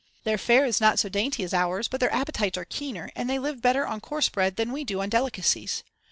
Their fare is not so dainty as ours, but their appetites are keener, and they live better on coarse bread than we do on delicacies.